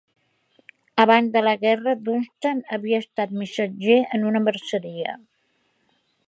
Abans de la guerra, Dunstan havia estat missatger en una merceria.